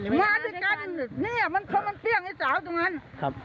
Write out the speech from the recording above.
นี่เพราะมันเปรี้ยงไอ้สาวตรงนั้น